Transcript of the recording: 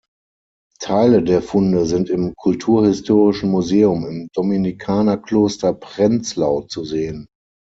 Teile der Funde sind im Kulturhistorischen Museum im Dominikanerkloster Prenzlau zu sehen.